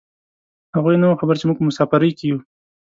هغوی نه خبر و چې موږ په مسافرۍ کې یو.